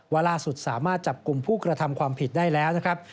ล่าสุดสามารถจับกลุ่มผู้กระทำความผิดได้แล้วนะครับ